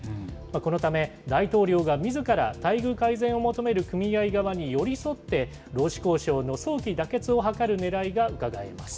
このため、大統領がみずから待遇改善を求める組合側に寄り添って、労使交渉の早期妥結を図るねらいがうかがえます。